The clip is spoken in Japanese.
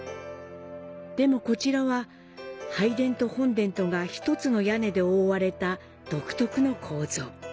でも、こちらは拝殿と本殿とが１つの屋根で覆われた独特の構造。